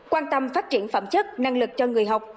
quan tâm phát triển phẩm chất năng lực cho người học